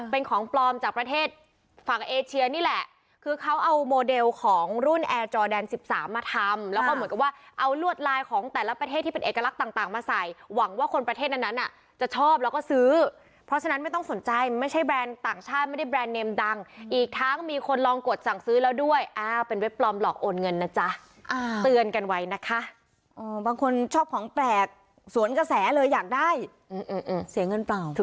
เป็นของปลอมจากประเทศฝั่งเอเชียนี่แหละคือเขาเอาโมเดลของรุ่นแอร์จอเดนสิบสามมาทำแล้วก็เหมือนกับว่าเอาลวดลายของแต่ละประเทศที่เป็นเอกลักษณ์ต่างมาใส่หวังว่าคนประเทศอันนั้นอ่ะจะชอบแล้วก็ซื้อเพราะฉะนั้นไม่ต้องสนใจมันไม่ใช่แบรนด์ต่างชาติไม่ได้แบรนด์เนมดังอีกทั้งมีคนลอง